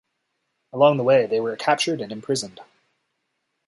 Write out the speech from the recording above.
Along the way, they were captured and imprisoned.